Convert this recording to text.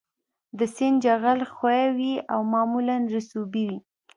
د سیند جغل ښوی وي او معمولاً رسوبي وي